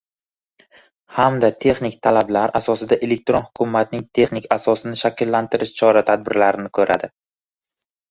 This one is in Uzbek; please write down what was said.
hamda texnik talablar asosida elektron hukumatning texnik asosini shakllantirish chora-tadbirlarini ko‘radi;